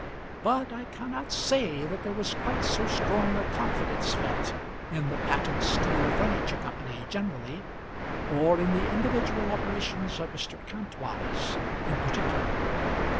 But I cannot say that there was quite so strong a confidence felt in the Patent Steel Furniture Company generally, or in the individual operations of Mr. Kantwise in particular.